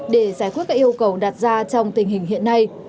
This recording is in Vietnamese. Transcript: để giải quyết các yêu cầu đặt ra trong tình hình hiện nay